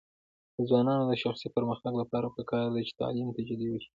د ځوانانو د شخصي پرمختګ لپاره پکار ده چې تعلیم ته جدي وي.